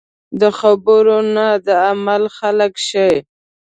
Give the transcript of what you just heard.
د خبرو نه د عمل خلک شئ .